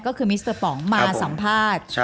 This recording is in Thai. ก็คือมิสเตอร์ป๋องมาสัมภาษณ์